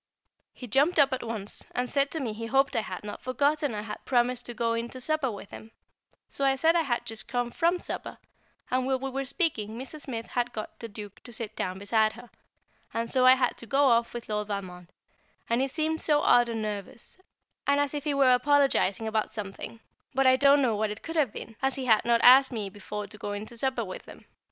He jumped up at once, and said to me he hoped I had not forgotten I had promised to go in to supper with him, so I said I had just come from supper; and while we were speaking Mrs. Smith had got the Duke to sit down beside her, and so I had to go off with Lord Valmond, and he seemed so odd and nervous, and as if he were apologising about something; but I don't know what it could have been, as he had not asked me before to go in to supper with him.